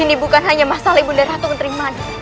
ini bukan hanya masalah ibu darah tunggut riman